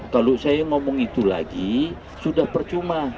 kalau saya ngomong itu lagi sudah percuma